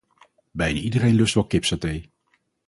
Bijna iedereen lust wel kipsaté.